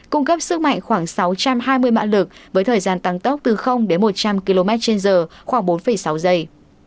cung cấp sức mạnh khoảng sáu trăm hai mươi mã lực với thời gian tăng tốc từ đến một trăm linh km trên giờ khoảng bốn sáu giây